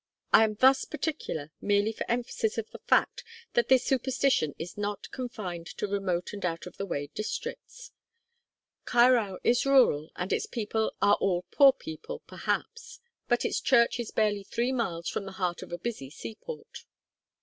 I am thus particular merely for emphasis of the fact that this superstition is not confined to remote and out of the way districts. Caerau is rural, and its people are all poor people, perhaps; but its church is barely three miles from the heart of a busy seaport.